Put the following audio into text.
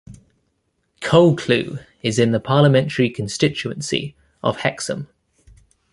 Coalcleugh is in the parliamentary constituency of Hexham.